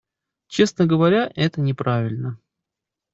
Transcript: Честно говоря, это неправильно.